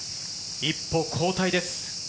一歩後退です。